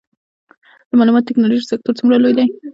د معلوماتي ټیکنالوژۍ سکتور څومره لوی دی؟